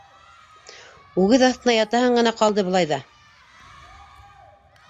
Үгеҙ аҫтына ятаһың ғына ҡалды былай ҙа!